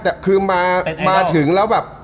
แต่คือมาถึงแล้วแบบ